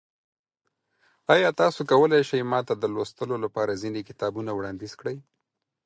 ایا تاسو کولی شئ ما ته د لوستلو لپاره ځینې کتابونه وړاندیز کړئ؟